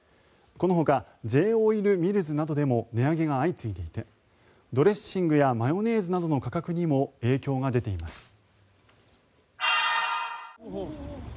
このほかＪ−オイルミルズなどでも値上げが相次いでいてドレッシングやマヨネーズなどの価格にも影響が出ています。